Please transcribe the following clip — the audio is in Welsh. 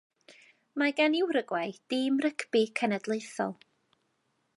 Mae gan Uruguay dîm rygbi cenedlaethol.